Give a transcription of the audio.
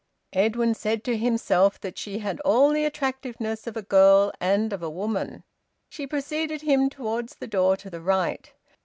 Edwin said to himself that she had all the attractiveness of a girl and of a woman. She preceded him towards the door to the right.